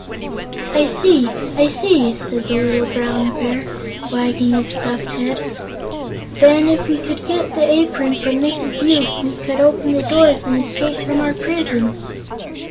"I see I see!" said the little Brown Bear, wagging his stuffed head. "Then, if we could get the apron from Mrs. Yoop, we could open the doors and escape from our prison."